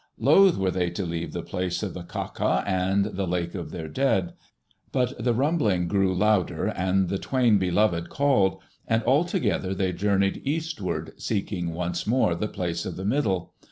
Loath were they to leave the place of the Kaka and the lake of their dead. But the rumbling grew louder and the Twain Beloved called, and all together they journeyed eastward, seeking once more the Place of the Middle.